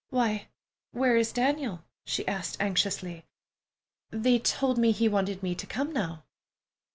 "Why, where is Daniel?" she asked anxiously. "They told me he wanted me to come now."